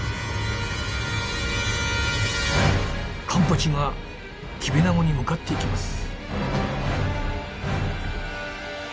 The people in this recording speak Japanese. カンパチがキビナゴに向かっていきます。